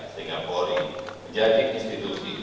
sehingga polri menjadi institusi